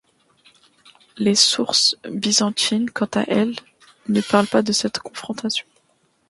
Les sources byzantines, quant à elles, ne parlent pas de cette confrontation.